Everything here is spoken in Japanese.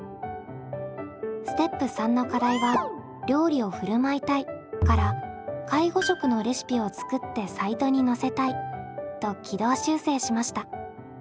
ステップ３の課題は「料理をふるまいたい」から「介護食のレシピを作ってサイトにのせたい」と軌道修正しました。